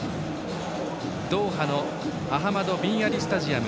ドーハのアハマドビンアリスタジアム。